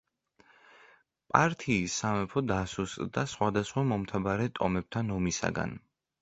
პართიის სამეფო დასუსტდა სხვადასხვა მომთაბარე ტომებთან ომისაგან.